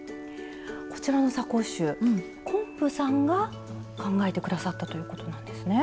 こちらのサコッシュ昆布さんが考えて下さったということなんですね。